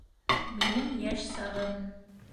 Минең йәш сағым.